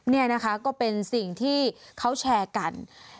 นี่นะคะก็เป็นสิ่งที่เขาแชร์กัน